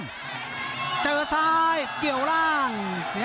ภูตวรรณสิทธิ์บุญมีน้ำเงิน